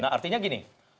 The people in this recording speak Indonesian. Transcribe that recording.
nah artinya gini